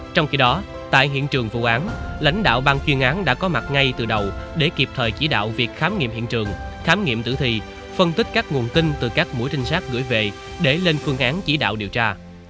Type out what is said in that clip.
trong khi đó tại hiện trường vụ án lãnh đạo bang chuyên án đã có mặt ngay từ đầu để kịp thời chỉ đạo việc khám nghiệm hiện trường khám nghiệm tử thi phân tích các nguồn tin từ các mũi trinh sát gửi về để lên phương án chỉ đạo điều tra